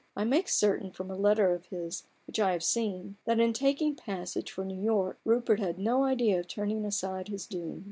I make certain, from a letter of his which I have seen, that in taking passage for New York, Rupert had no idea of turning aside his doom.